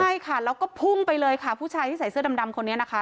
ใช่ค่ะแล้วก็พุ่งไปเลยค่ะผู้ชายที่ใส่เสื้อดำคนนี้นะคะ